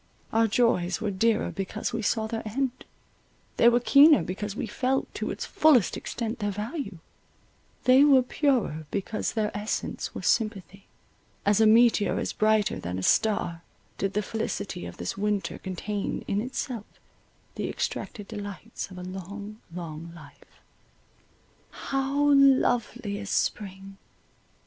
Our joys were dearer because we saw their end; they were keener because we felt, to its fullest extent, their value; they were purer because their essence was sympathy— as a meteor is brighter than a star, did the felicity of this winter contain in itself the extracted delights of a long, long life. How lovely is spring!